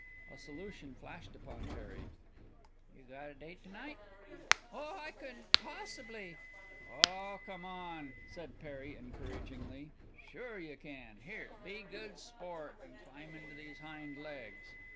A solution flashed upon Perry. "You got a date to night?" "Oh, I couldn't possibly " "Oh, come on," said Perry encouragingly. "Sure you can! Here! Be good sport, and climb into these hind legs."